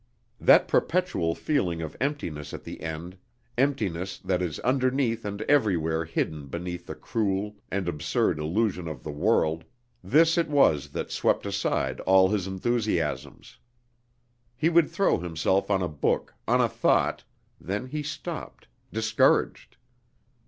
That perpetual feeling of emptiness at the end, emptiness that is underneath and everywhere hidden beneath the cruel and absurd illusion of the world this it was that swept aside all his enthusiasms. He would throw himself on a book, on a thought then he stopped, discouraged.